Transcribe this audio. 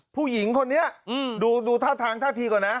ผู้หญิงคนนี้ดูท่าทางท่าทีก่อนนะ